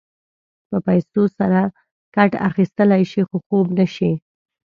په پیسو سره کټ اخيستلی شې خو خوب نه شې.